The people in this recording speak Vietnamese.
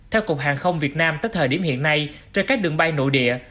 theo cục hàng không việt nam tới thời điểm hiện nay trên các đường bay nội địa